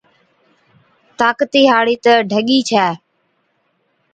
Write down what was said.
طاقتِي هاڙِي تہ ڍڳِي ڇَي،